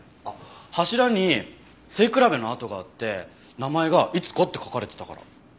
あっ柱に背比べの跡があって名前が「いつこ」って書かれてたから。